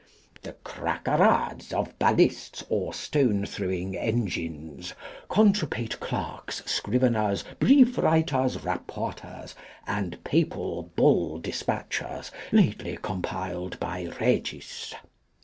The Crackarades of Balists or stone throwing Engines, Contrepate Clerks, Scriveners, Brief writers, Rapporters, and Papal Bull despatchers lately compiled by Regis.